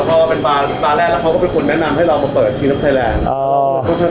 พอเป็นปลาแรกพี่คุณแนะนำให้เรามาเปิดที่นักไทยแรง